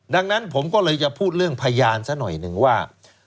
ดังนั้นผมก็เลยจะพูดเรื่องพยานซะหน่อยหนึ่งว่า